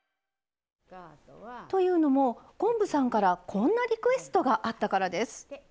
というのも昆布さんからこんなリクエストがあったからです。